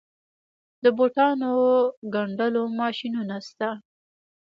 د بوټانو ګنډلو ماشینونه شته